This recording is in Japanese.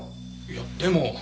いやでも。